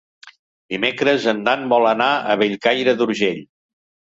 Dimecres en Dan vol anar a Bellcaire d'Urgell.